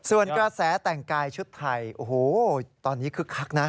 ส่วนกระแสแต่งกายชุดไทยโอ้โหตอนนี้คึกคักนะ